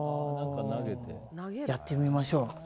やってみましょう。